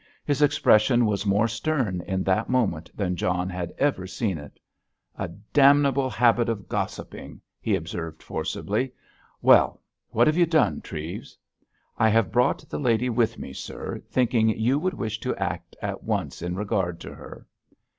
His expression was more stern in that moment than John had ever seen it. "A damnable habit of gossiping," he observed forcibly. "Well, what have you done, Treves?" "I have brought the lady with me, sir, thinking you would wish to act at once in regard to her."